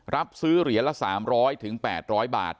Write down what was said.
รับซื้อเหรียญละ๓๐๐๘๐๐บาท